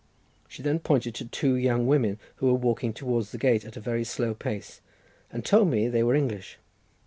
She then pointed to two young women who were walking towards the gate at a very slow pace, and told me they were English.